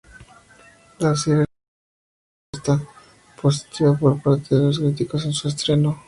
La serie recibió una respuesta positiva por parte los críticos en su estreno.